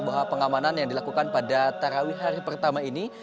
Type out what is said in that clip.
bahwa pengamanan yang dilakukan pada tarawih hari pertama ini